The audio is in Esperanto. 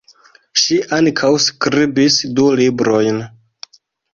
Ŝi ankaŭ skribis du librojn.